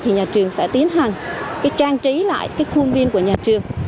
thì nhà trường sẽ tiến hành trang trí lại cái khuôn viên của nhà trường